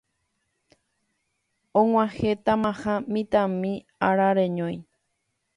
Og̃uahẽtamaha mitãmi arareñói